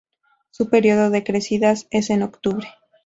Su periodo de crecidas es en octubre.